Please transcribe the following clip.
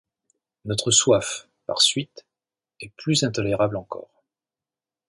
Notre soif, par suite, est plus intolérable encore.